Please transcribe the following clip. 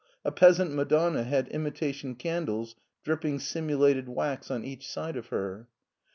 A peasant Madonna had imitation candles dripping simulated wax on each side of her.